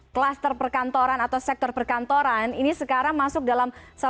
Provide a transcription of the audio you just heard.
kluster perkantoran atau kluster perusahaan ini memang tidak akan berhasil